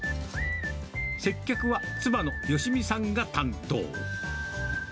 接客は妻の吉美さんが担当。